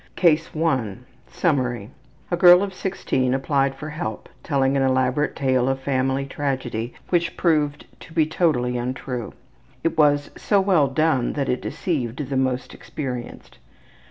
CASE 1 Summary: A girl of 16 applied for help, telling an elaborate tale of family tragedy which proved to be totally untrue. It was so well done that it deceived the most experienced.